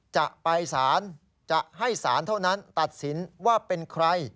จะไปสารจะให้สารเท่านั้นตัดสินว่าเป็นใคร